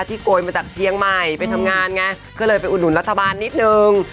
โกยมาจากเชียงใหม่ไปทำงานไงก็เลยไปอุดหนุนรัฐบาลนิดนึง